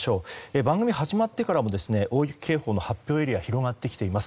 番組始まってからも大雪警報の発表エリア広がってきています。